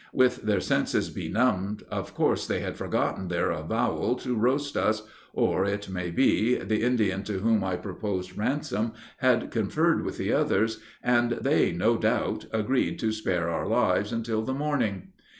With their senses benumbed, of course they had forgotten their avowal to roast us, or, it may be, the Indian to whom I proposed ransom had conferred with the others, and they, no doubt, agreed to spare our lives until the morning.